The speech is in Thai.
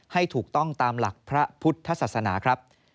ให้ถูกต้องตามหลักพระพุทธศาสนาครับ